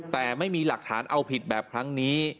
แต่ไม่มีหลักฐานเอาผิดแบบครั้งนี้